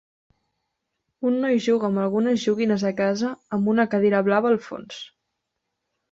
Un noi juga amb algunes joguines a casa amb una cadira blava al fons.